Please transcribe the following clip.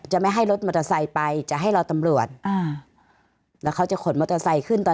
ไม่ให้รถมอเตอร์ไซค์ไปจะให้รอตำรวจอ่าแล้วเขาจะขนมอเตอร์ไซค์ขึ้นตอน